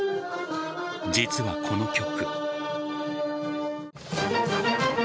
実は、この曲。